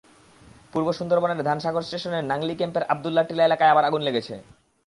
পূর্ব সুন্দরবনের ধানসাগর স্টেশনের নাংলী ক্যাম্পের আবদুল্লাহর টিলা এলাকায় আবার আগুন লেগেছে।